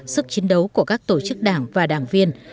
sức chiến đấu của các tổ chức đảng và đảng viên